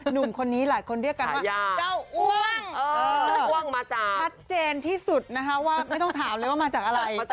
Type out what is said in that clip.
หนุ่มคนนี้หลายคนเรียกกันว่าเจ้าอ้วงเจ้าอ้วงชัดเจนที่สุดนะคะว่าไม่ต้องถามเลยว่ามาจากอะไร